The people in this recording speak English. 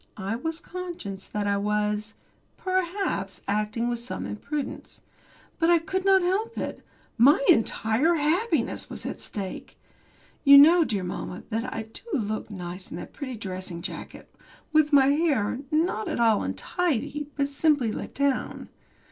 I was conscious that I was, perhaps, acting with some imprudence. But I could not help it. My entire happiness was at stake. You know, dear mamma, that I do look nice in that pretty dressing jacket, with my hair, not at all untidy, but simply let down.